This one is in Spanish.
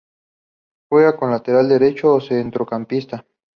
Juega como lateral derecho o centrocampista.